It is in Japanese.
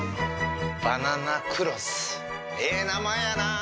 バナナクロスええ名前やなぁ。